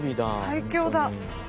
最強だ。